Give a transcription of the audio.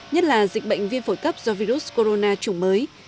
nhất là dịch bệnh viêm phổi cấp do virus corona chủng mới